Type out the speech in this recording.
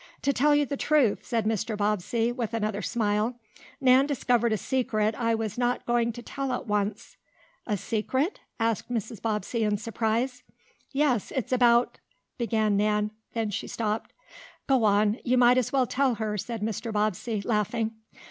"To tell you the truth," said Mr. Bobbsey, with another smile, "Nan discovered a secret I was not going to tell at once." "A secret?" asked Mrs. Bobbsey in surprise. "Yes, it's about " began Nan. Then she stopped. "Go on. You might as well tell her," said Mr. Bobbsey, laughing.